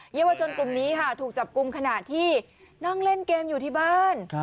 เยาวชนกลุ่มนี้ค่ะถูกจับกลุ่มขณะที่นั่งเล่นเกมอยู่ที่บ้าน